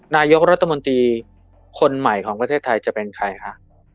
นายกรัฐมนตรีคนใหม่ของประเทศไทยจะเป็นใครคะ